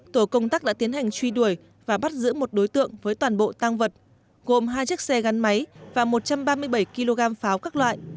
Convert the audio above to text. tổ công tác đã tiến hành truy đuổi và bắt giữ một đối tượng với toàn bộ tăng vật gồm hai chiếc xe gắn máy và một trăm ba mươi bảy kg pháo các loại